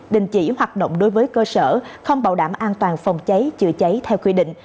đình chỉ hoạt động đối với cơ sở không bảo đảm an toàn phòng cháy chữa cháy theo quy định